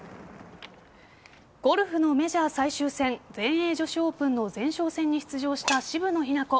ゴルフのメジャー最終戦全英女子オープンの前哨戦に出場した渋野日向子。